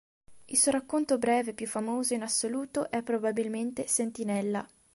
Il suo racconto breve più famoso in assoluto è probabilmente "Sentinella".